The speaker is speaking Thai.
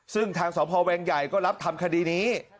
ซึ่งทางสพแวงใหญ่ก็รับทำคดีนี้